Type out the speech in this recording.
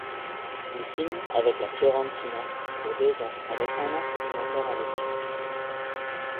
Il signe avec la Fiorentina pour deux ans avec un an supplémentaire en option.